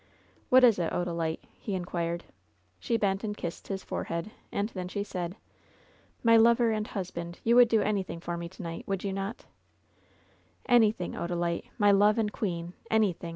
"What is it, Odalite?" he inquired. She bent and kissed his forehead, and then she said : "My lover and husband, you would do anything for me to night ? Would you not V^ "Anything, Odalite! my love and queen! anything!